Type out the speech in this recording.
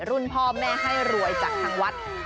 รุ่นพ่อแม่ให้รวยจากทางวัด